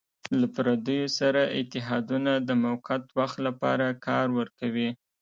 له پردیو سره اتحادونه د موقت وخت لپاره کار ورکوي.